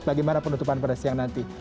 bagaimana penutupan pada siang nanti